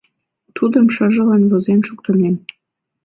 Тудым шыжылан возен шуктынем.